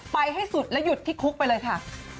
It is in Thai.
ให้สุดและหยุดที่คุกไปเลยค่ะ